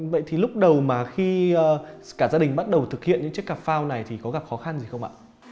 vậy thì lúc đầu mà khi cả gia đình bắt đầu thực hiện những chiếc cà phao này thì có gặp khó khăn gì không ạ